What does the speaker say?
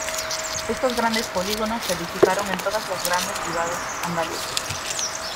Estos grandes polígonos se edificaron en todas las grandes ciudades andaluzas.